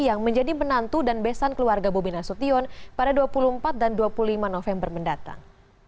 yang menjadi penantu dan besan keluarga bobi nasution pada dua puluh empat dan dua puluh lima november mendatang